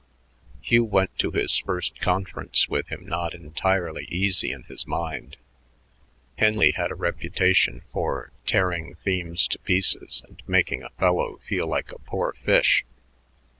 Hugh went to his first conference with him not entirely easy in his mind. Henley had a reputation for "tearing themes to pieces and making a fellow feel like a poor fish."